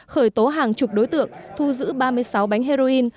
khởi tố hàng chục đối tượng thu giữ ba mươi sáu bánh heroin